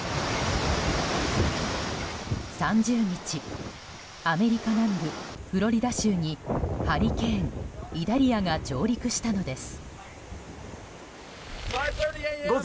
３０日アメリカ南部フロリダ州にハリケーン、イダリアが上陸したのです。